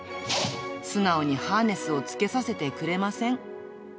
素直にハーネスをつけさせてくれません。